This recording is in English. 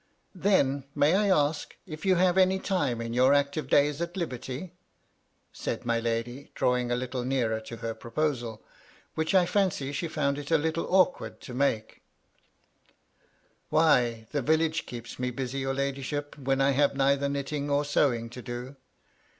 "Then may I ask if you have any time in your active days at liberty?" said my lady, drawing a little nearer to her proposal, which I fancy she found it a little awkward to maka "Why, the village keeps me busy, your ladyship, when I have neither knitting or sewing to do.